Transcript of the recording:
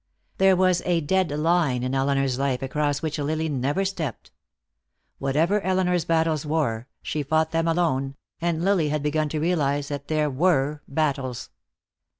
There was a dead line in Elinor's life across which Lily never stepped. Whatever Elinor's battles were, she fought them alone, and Lily had begun to realize that there were battles.